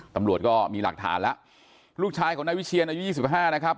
ตำรวจก็มีหลักฐานแล้วลูกชายของนายวิเชียนอายุ๒๕นะครับ